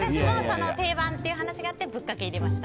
定番っていう話があってぶっかけを入れました。